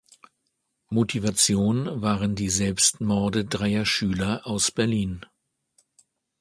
Motivation waren die Selbstmorde dreier Schüler aus Berlin.